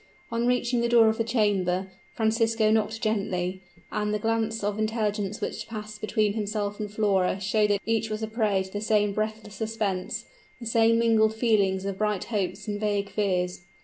On reaching the door of the chamber, Francisco knocked gently; and the glance of intelligence which passed between himself and Flora showed that each was a prey to the same breathless suspense; the same mingled feelings of bright hopes and vague fears.